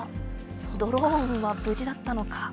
ドローンは無事だったのか。